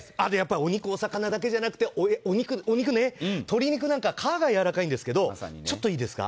お肉、お魚だけじゃなくてお肉ね、鶏肉なんかは皮がやわらかいんですがちょっといいですか。